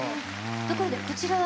ところでこちらは？